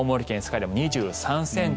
湯でも２３ｃｍ。